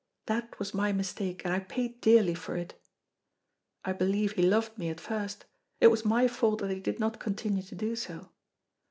That was my mistake, and I paid dearly for it. I believe he loved me at first; it was my fault that he did not continue to do so.